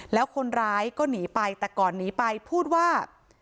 แล้วคนร้ายก็หนีไปแต่ก่อนหนีไปพูดว่า